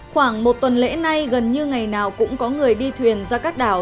khoảng một tuần lễ nay gần như ngày nào cũng có người đi thuyền ra các đảo